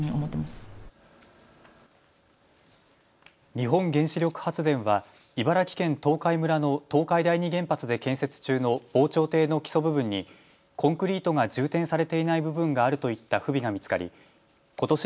日本原子力発電は茨城県東海村の東海第二原発で建設中の防潮堤の基礎部分にコンクリートが充填されていない部分があるといった不備が見つかりことし